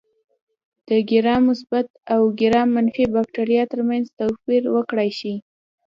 د ګرام مثبت او ګرام منفي بکټریا ترمنځ توپیر وکړای شي.